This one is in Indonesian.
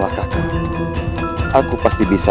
jangan emosi dulu